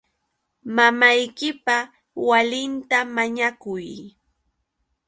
Mamaykipa walinta mañakuy.